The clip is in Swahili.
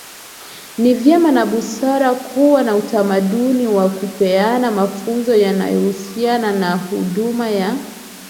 Ni vema na busara kuwa na utamaduni wa kupeana mafunzo yanayohusiana na huduma ya